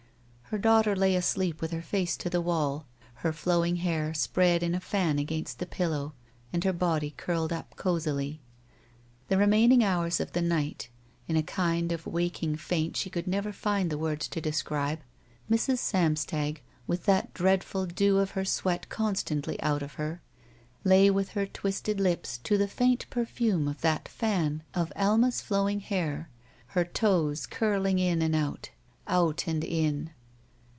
Her daughter lay asleep, with her face to the wall, her flowing hair spread in a fan against the pillow and her body curled up cozily. The remaining hours of the night, in a kind of waldng faint she could never find the words to describe, Mrs. Samstag, with that dreadful dew of her sweat constantly out over her, lay with her twisted lips to the faint perfume of that fan of Alma's flowing hair, her toes curling in and out. Out and in.